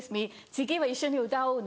「次は一緒に歌おうね」。